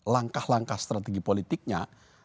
langkah langkah strategi politiknya